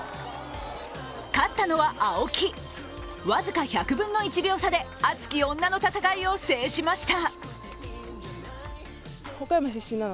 勝ったのは青木僅か１００分の１秒差で熱き女の戦いを制しました。